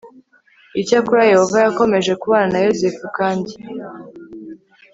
Icyakora Yehova yakomeje kubana na Yozefu kandi